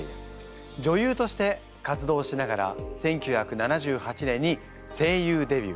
女優として活動しながら１９７８年に声優デビュー。